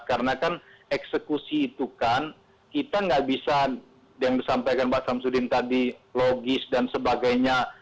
karena kan eksekusi itu kan kita nggak bisa yang disampaikan pak samsudin tadi logis dan sebagainya